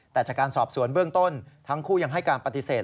แต่จากการสอบสวนเบื้องต้นทั้งคู่ยังให้การปฏิเสธ